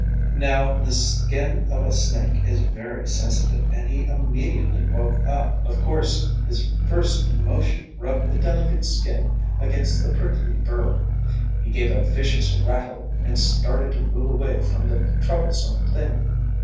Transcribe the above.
Now, the skin of a snake is very sensitive and he immediately woke up. Of course his first motion rubbed the delicate skin against the prickly burr. He gave a vicious rattle and started to move away from the troublesome thing.